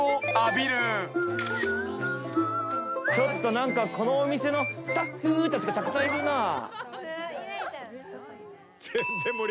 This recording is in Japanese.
ちょっとこのお店のスタッフゥーたちがたくさんいるなぁ。